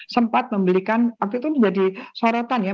sempat membelikan waktu itu sudah disorotan ya